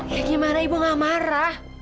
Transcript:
eh gimana ibu gak marah